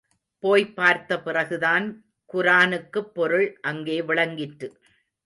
போய்ப் பார்த்த பிறகுதான் குரானுக்குப் பொருள் அங்கே விளங்கிற்று.